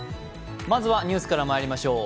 まずはニュースからまいりましょう。